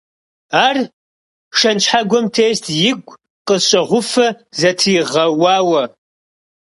Ар шэнт щхьэгуэм тест, игу къысщӀэгъуфэ зытригъэуауэ.